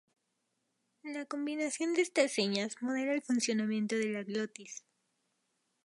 La combinación de estas señales modela el funcionamiento de la glotis.